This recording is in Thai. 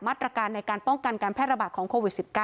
มาตรการในการป้องกันการแพทย์ระบาดของโควิดสิบเก้า